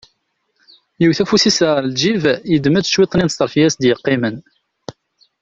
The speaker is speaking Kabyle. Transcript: Yewwet afus-is ɣer lǧib, yeddem-d cwiṭ-nni n ṣṣarf is-d-yeqqimen.